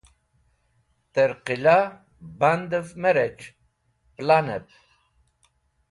Tẽr qila bandẽv me rec̃h pẽlanẽb